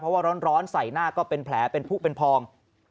เพราะว่าร้อนใส่หน้าก็เป็นแผลเป็นผู้เป็นพอง